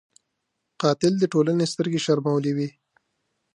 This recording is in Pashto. قاتل د ټولنې سترګې شرمولی وي